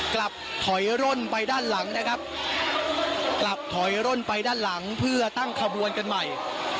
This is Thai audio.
กลับถอยร่นไปด้านหลังนะครับกลับถอยร่นไปด้านหลังเพื่อตั้งขบวนกันใหม่